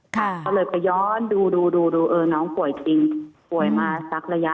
เขาเลยไปย้อนดูน้องป่วยจริงป่วยมาสักระยะ